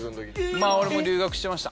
まあ俺も留学してました。